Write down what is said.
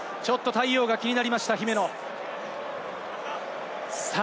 ちょっと太陽が気になりました、姫野。